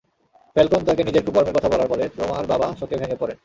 Falcone তাঁকে নিজের কুকর্মের কথা বলার পরে তোমার বাবা শোকে ভেঙে পড়েন।